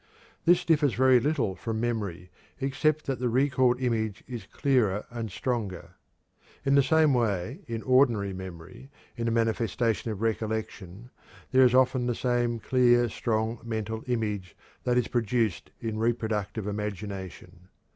This differs very little from memory, except that the recalled image is clearer and stronger. In the same way in ordinary memory, in the manifestation of recollection, there is often the same clear, strong mental image that is produced in reproductive imagination.